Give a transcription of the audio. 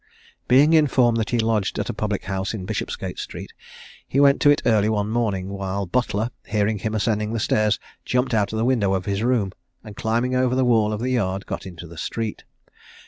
Being informed that he lodged at a public house in Bishopsgate street, he went to it early one morning, when Butler, hearing him ascending the stairs, jumped out of the window of his room, and climbing over the wall of the yard got into the street.